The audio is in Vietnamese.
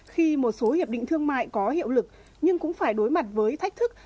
khi một số hiệp định thương mại có hiệu lực nhưng cũng phải đối mặt với thách thức